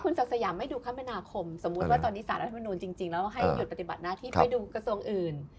สมมุติว่าตอนนี้สารรัฐบินูลจริงแล้วให้หยุดปฏิบัติหน้าที่ไปดูกระทรวงอื่น